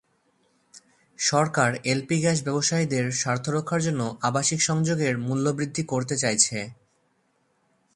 সরকার LP gas ব্যবসায়ীদের স্বার্থ রক্ষার জন্য আবাসিক সংযোগের মূল্যবৃদ্ধি করতে চাইছে।